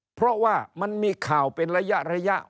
เพราะว่ามันมีข่าวเป็นระยะ